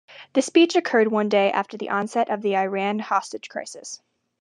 The speech occurred one day after the onset of the Iran hostage crisis.